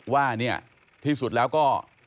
ว่าเนี่ยที่สุดแล้วก็